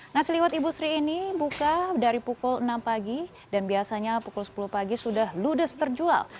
nasi liwet ibu sri ini buka dari pukul enam pagi dan biasanya pukul sepuluh pagi sudah ludes terjual